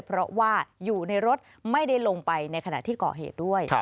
เพราะว่าอยู่ในรถไม่ได้ลงไปในขณะที่ก่อเหตุด้วย